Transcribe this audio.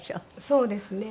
そうですね。